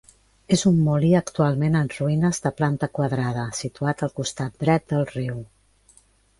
És un molí actualment en ruïnes de planta quadrada, situat al costat dret del riu.